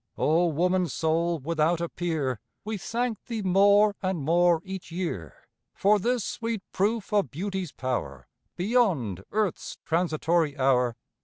O woman soul without a peer, We thank thee more and more each year For this sweet proof of Beauty's power Beyond earth's transitory hour.